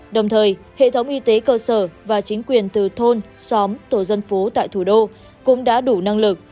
đồng thời hệ thống y tế cơ sở và chính quyền từ thôn xóm tổ dân phố tại thủ đô cũng đã đủ năng lực